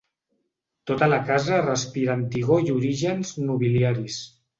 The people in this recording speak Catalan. Tota la casa respira antigor i orígens nobiliaris.